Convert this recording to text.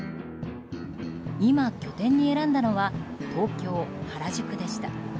今、拠点に選んだのは東京・原宿でした。